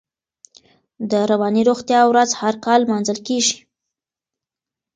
د رواني روغتیا ورځ هر کال نمانځل کېږي.